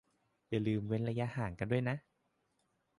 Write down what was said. อย่าลืมเว้นระยะห่างกันด้วยนะ